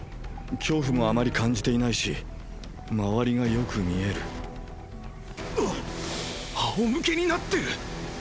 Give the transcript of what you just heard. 恐怖もあまり感じていないし周りがよく見えるなっ⁉あおむけになってる⁉